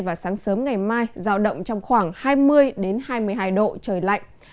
và sáng sớm ngày mai giao động trong khoảng hai mươi hai mươi hai độ trời lạnh